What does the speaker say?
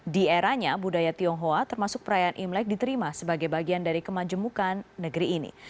di eranya budaya tionghoa termasuk perayaan imlek diterima sebagai bagian dari kemajemukan negeri ini